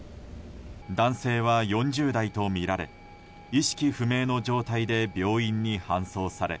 男性は４０代とみられ意識不明の状態で病院に搬送され